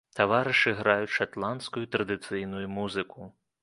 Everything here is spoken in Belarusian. Таварышы граюць шатландскую традыцыйную музыку.